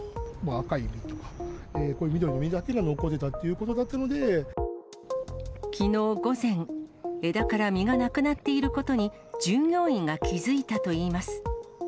赤い実とか、こういう緑の実だけきのう午前、枝から実がなくなっていることに従業員が気付いたといいます。